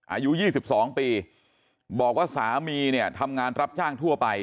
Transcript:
อายุ๒๒ปีบอกว่าสามีเนี่ยทำงานรับจ้างทั่วไป